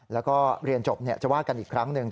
แล้วก็เรียนจบจะว่ากันอีกครั้งหนึ่ง